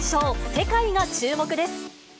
世界が注目です。